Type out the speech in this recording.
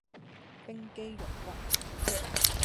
冰肌玉骨